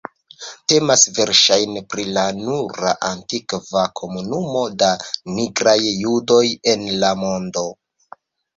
Temas verŝajne pri la nura antikva komunumo da nigraj judoj en la mondo.